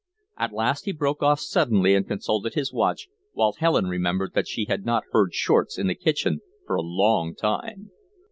At last he broke off suddenly and consulted his watch, while Helen remembered that she had not heard Shortz in the kitchen for a long time.